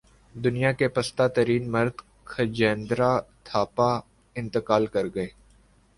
دنیا کے پستہ ترین مرد کھجیندرا تھاپا انتقال کر گئے